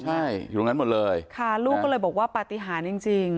ใช่อยู่ตรงนั้นหมดเลยค่ะลูกก็เลยบอกว่าปฏิหารจริงจริง